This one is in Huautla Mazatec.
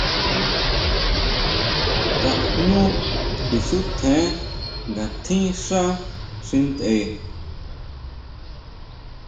Tajñú kuisutjen nga tjín xá xi ntʼe.